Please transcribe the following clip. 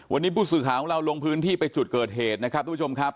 วันนี้ผู้สื่อข่าวของเราลงพื้นที่ไปจุดเกิดเหตุนะครับทุกผู้ชมครับ